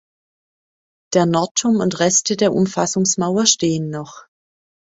Der Nordturm und Reste der Umfassungsmauer stehen noch.